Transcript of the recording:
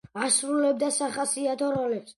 ასრულებდა სახასიათო როლებს.